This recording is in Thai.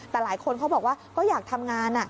แต่หลายคนเขาบอกว่าก็อยากทำงาน